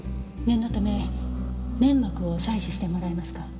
念のため粘膜を採取してもらえますか？